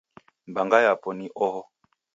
Mbanga yapo ni oho